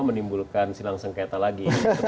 menimbulkan silang sengketa lagi